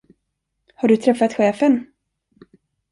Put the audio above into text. Har du träffat chefen?